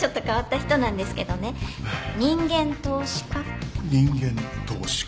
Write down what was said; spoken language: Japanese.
人間投資家？